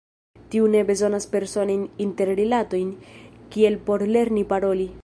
Tiu ne bezonas personajn interrilatojn, kiel por lerni paroli.